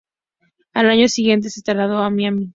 Al año siguiente se trasladó a Miami.